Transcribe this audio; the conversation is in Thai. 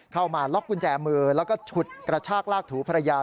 เข้ามาล็อกกุญแจมือแล้วก็ฉุดกระชากลากถูภรรยา